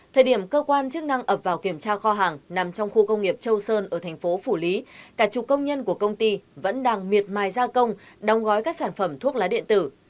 thời điểm cơ quan chức năng ập vào kiểm tra kho hàng nằm trong khu công nghiệp châu sơn ở thành phố phủ lý cả chục công nhân của công ty vẫn đang miệt mài gia công đóng gói các sản phẩm thuốc lá điện tử